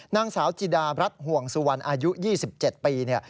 นางสาวจิดารัฐห่วงสุวรรณอายุ๒๗ปีเนี่ย